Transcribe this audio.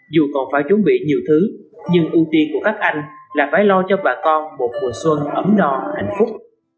dù còn phải chuẩn bị nhiều thứ nhưng ưu tiên của các anh là phải lo cho bà con một mùa xuân ấm no hạnh phúc